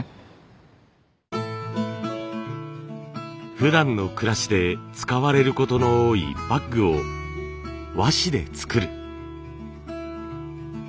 ふだんの暮らしで使われることの多いバッグを和紙で作る。